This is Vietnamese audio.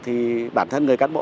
thì bản thân người cán bộ